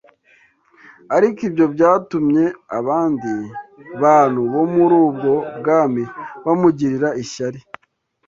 Ariko ibyo byatumye abandi bantu bo muri ubwo bwami bamugirira ishyari